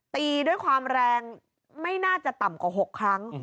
ตีด้วยความแรงไม่น่าจะต่ำกว่า๖ครั้ง